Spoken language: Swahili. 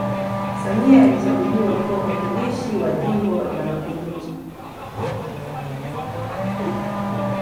samia alichaguliwa kuwa mwakilishi wa jimbo la makunduchi